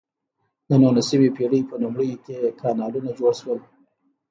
د نولسمې پیړۍ په لومړیو کې کانالونه جوړ شول.